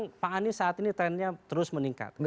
memang pak anies saat ini trendnya terus meningkat